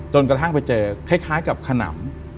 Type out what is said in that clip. กระทั่งไปเจอคล้ายกับขนำ